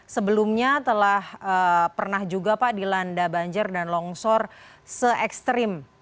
sebelumnya telah pernah juga pak dilanda banjir dan longsor se ekstrim